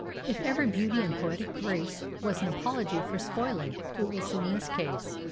If ever beauty and poetic grace was an apology for spoiling, it was in this case.